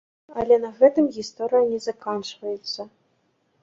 Але на гэтым гісторыя не заканчваецца.